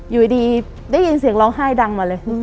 อยู่ดีได้ยินเสียงร้องไห้ดังมาเลย